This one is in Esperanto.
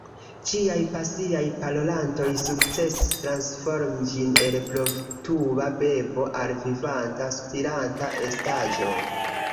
Ĝiaj pasiaj parolantoj sukcesis transformi ĝin el provtuba bebo al vivanta, spiranta estaĵo.